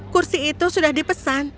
kursi itu sudah dipesan